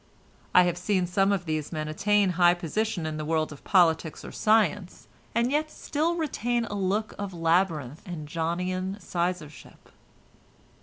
I have seen some of these men attain high position in the world of politics or science, and yet still retain a look of labyrinth and Johnian sizarship.